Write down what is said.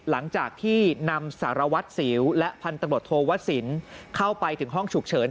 หลังจากที่นำสารวัสดิ์สิวและพันธบทโทวศิลป์เข้าไปถึงห้องฉุกเฉิน